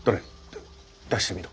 だ出してみろ。